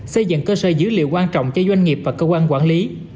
xây dựng cơ sở dữ liệu quan trọng cho doanh nghiệp và cơ quan quản lý